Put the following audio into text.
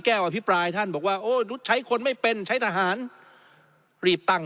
อภิปรายท่านบอกว่าโอ้ใช้คนไม่เป็นใช้ทหารรีบตั้ง